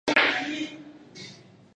安吉尔是一个商业和零售中心。